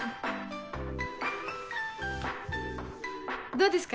どうですか？